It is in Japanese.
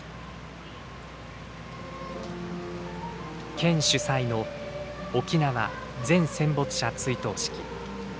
県主催の沖縄全戦没者追悼式。